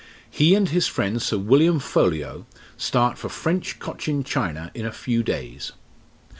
He and his friend Sir William Ffolliot start for French Cochin China in a few days.